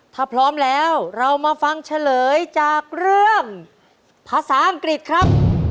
ถ้าพร้อมแล้วเรามาฟังเฉลยจากเรื่องภาษาอังกฤษครับ